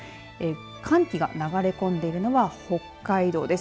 寒気が流れ込んでいるのは北海道です。